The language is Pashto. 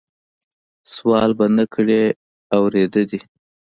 سوال به نه کړې اورېده دي